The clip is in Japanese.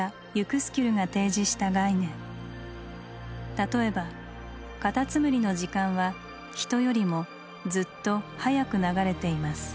例えばカタツムリの時間はヒトよりもずっと早く流れています。